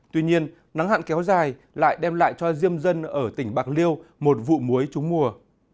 tuy nhiên nắng hạn kéo dài lại đem lại cho diêm dân ở tỉnh bạc liêu một vụ muối trúng mùa